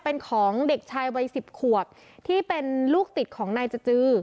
เป็นของเด็กชายวัยสิบขวบที่เป็นลูกติดของนายจจือ